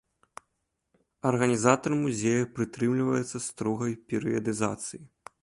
Арганізатар музея прытрымліваецца строгай перыядызацыі.